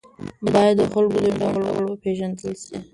باید د خلکو د ژوند ډول وپېژندل سي.